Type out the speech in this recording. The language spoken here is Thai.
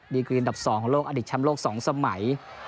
มิกุลินดับ๒ของลวกอดีฝ์ช้ำโลกสองสมัย